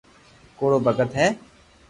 ڪوڙو ڀگت ھي